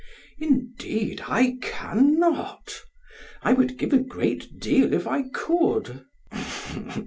Indeed, I cannot; I would give a great deal if I could.